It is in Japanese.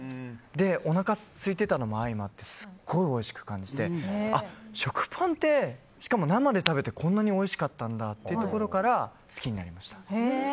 おなかすいてたのも相まってすごくおいしく感じて食パンってしかも、生で食べてこんなにおいしかったんだってところから好きになりました。